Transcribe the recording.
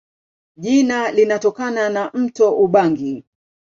Jina linatokana na mto Ubangi.